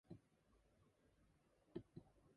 I apologize for that.